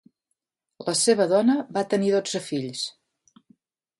La seva dona va tenir dotze fills.